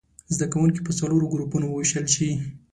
زده کوونکي په څلورو ګروپونو ووېشل شي.